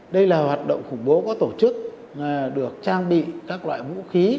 đây là hoạt động khủng bố có tổ chức được trang bị các loại vũ khí